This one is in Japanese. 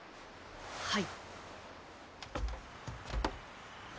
はい。